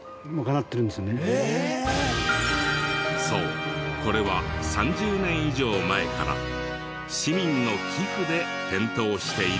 そうこれは３０年以上前から市民の寄付で点灯しているのです。